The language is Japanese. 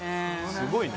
すごいね。